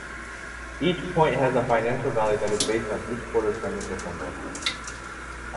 Each point has a financial value that is based on each quarter's financial performance.